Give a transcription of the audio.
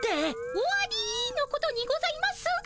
終わりのことにございますが。